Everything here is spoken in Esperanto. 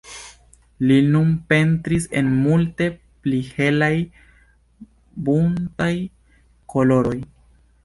Li nun pentris en multe pli helaj, buntaj koloroj.